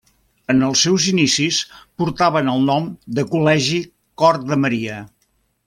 En els seus inicis portaven el nom de Col·legi Cor de Maria.